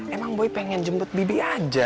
emang boy pengen jemput bibi aja